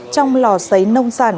trong lò xấy nông sản